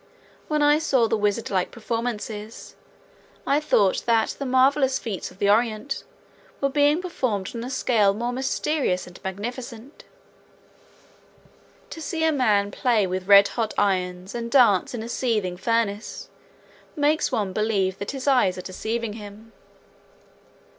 When I saw their wizard like performances I thought that the marvelous feats of the Orient were being performed on a scale more mysterious and magnificent. To see a man play with red hot irons and dance in a seething furnace, makes one believe that his eyes are deceiving him.